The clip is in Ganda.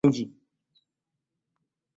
Embeera y'omulwadde si nungi.